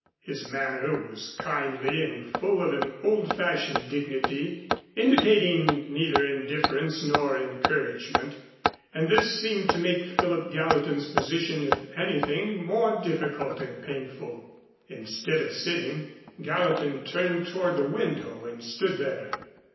His manner was kindly and full of an old fashioned dignity, indicating neither indifference nor encouragement, and this seemed to make Philip Gallatin's position if anything more difficult and painful. Instead of sitting, Gallatin turned toward the window and stood there.